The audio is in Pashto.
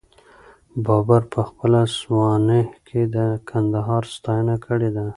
بابر په خپله سوانح کي د کندهار ستاینه کړې ده.